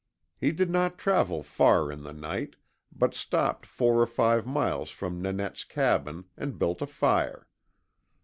He did not travel far in the night, but stopped four or five miles from Nanette's cabin, and built a fire.